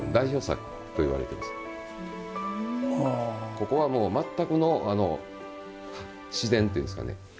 ここはもう全くの自然と言うんですかね